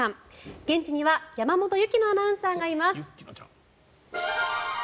現地には山本雪乃アナウンサーがいます。